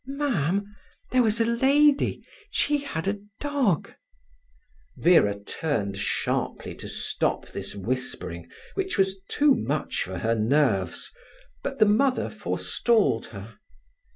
"Mam, there was a lady, she had a dog—" Vera turned sharply to stop this whispering, which was too much for her nerves, but the mother forestalled her.